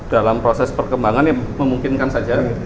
dalam proses perkembangan yang memungkinkan saja